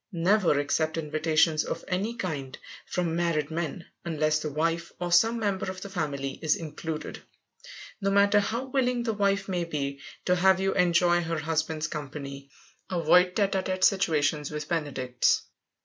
Never accept invitations of any kind from married men, unless the wife or some member of the family is included. No matter how willing the wife may be to have you enjoy her husband's company, avoid tête à tête situations with benedicts.